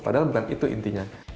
padahal bukan itu intinya